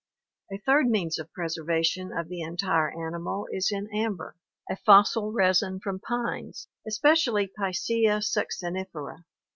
A third means of preservation of the entire animal is in amber, a fossil resin from pines, especially Picea succinifera.